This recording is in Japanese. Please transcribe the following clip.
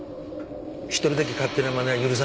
１人だけ勝手なまねは許さんでな。